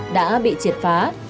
đã bị triệt phá